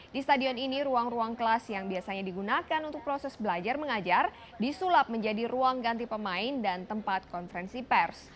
di stadion ini ruang ruang kelas yang biasanya digunakan untuk proses belajar mengajar disulap menjadi ruang ganti pemain dan tempat konferensi pers